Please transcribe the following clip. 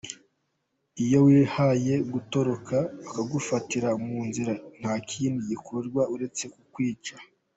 Iyo wihaye gutoroka bakagufatira mu nzira nta kindi bagukorera uretse kukwica.